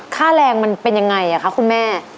ค่าแรงมันเป็นยังไงคะคุณแม่